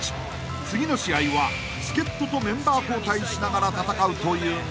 ［次の試合は助っ人とメンバー交代しながら戦うというが］